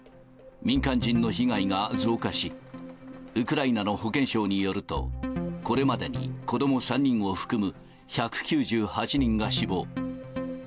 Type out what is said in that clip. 民間人の被害が増加し、ウクライナの保健相によると、これまでに子ども３人を含む１９８人が死亡。